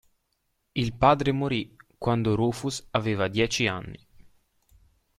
Il padre morì quando Rufus aveva dieci anni.